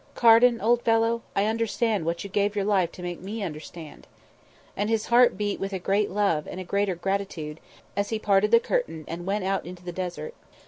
"Carden, old fellow, I understand what you gave your life to make me understand." And his heart beat with a great love and a greater gratitude as he parted the curtain and went out into the desert.